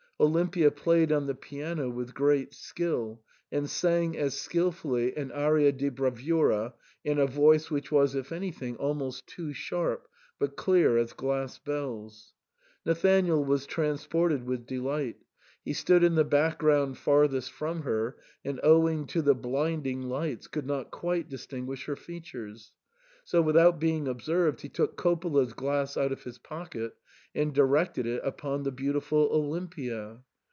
Olimpia played on the piano with great skill ; and sang as skilfully an aria di bravura^ in a voice which was, if anything, almost too sharp, but clear as glass bells. Nathanael was transported with delight; he stood in the background farthest from her, and owing to the blinding lights could not quite distinguish her features. So, without being observed, he took Coppola's glass out of his pocket, and directed it upon the beautiful Olimpia.